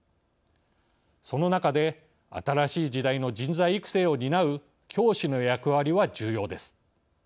その中で新しい時代の人材育成を担う教師の役割は重要です。